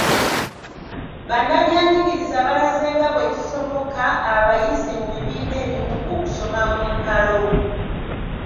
Bannabyanjigiriza balaze nga bwe kisoboka abayizi mu bibiina ebimu okusoma mu mpalo.